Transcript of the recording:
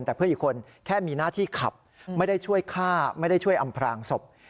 แต่เพื่อนอีกคนแค่มีหน้าที่ขับไม่ได้ช่วยฆ่าไม่ได้ช่วยอำพรางศพ